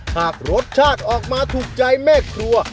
หากรสชาติออกมาถูกใจแม่ครัว